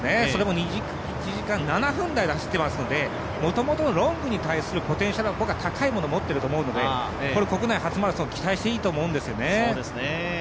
それも１時間７分台出してますのでもともとロングに対するポテンシャルは高いものを持っていると思うので国内初マラソン、期待していいと思うんですよね。